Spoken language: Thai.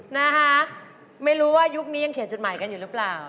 นะคะไม่รู้ว่ายุคนี้ยังเขียนจดหมายกันอยู่หรือเปล่า